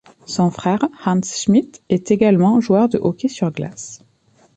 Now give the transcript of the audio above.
Son frère Hans Schmid est également joueur de hockey sur glace.